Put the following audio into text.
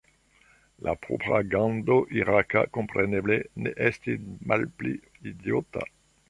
La propagando iraka, kompreneble, ne estis malpli idiota.